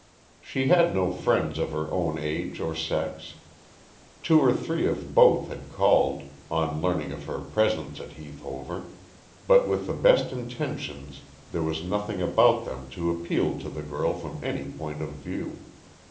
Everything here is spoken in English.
She had no friends of her own age or sex. Two or three of both had called, on learning of her presence at Heath Hover, but with the best intentions there was nothing about them to appeal to the girl from any point of view.